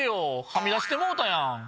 はみ出してもうたやん！